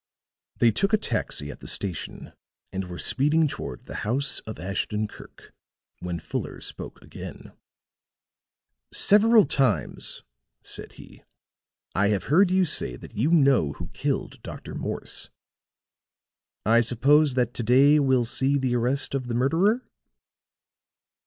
They took a taxi at the station and were speeding toward the house of Ashton Kirk, when Fuller spoke again. "Several times," said he, "I have heard you say that you know who killed Dr. Morse. I suppose that to day will see the arrest of the murderer."